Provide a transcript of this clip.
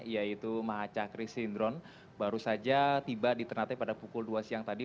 yaitu maha cakri sindron baru saja tiba di ternate pada pukul dua siang tadi